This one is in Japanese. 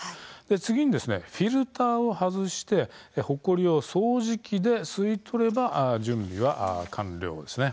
次にフィルターを外してほこりを掃除機で吸い取れば準備完了です。